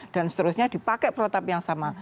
dan seterusnya dipakai protap yang sama